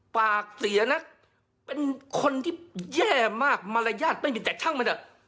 ปากเสียนักเป็นคนที่แย่มากมารยาทไม่มีแต่ช่างมันเถอะ